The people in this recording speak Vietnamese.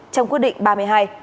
trong quy định ba mươi hai